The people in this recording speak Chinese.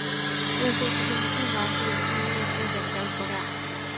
齐埃萨尔是德国勃兰登堡州的一个市镇。